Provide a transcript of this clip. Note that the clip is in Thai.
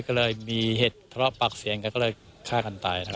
ก็เลยมีเหตุทะเลาะปากเสียงกันก็เลยฆ่ากันตายนะครับ